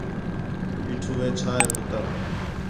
پیٹھو ہے چھا ہے پُتر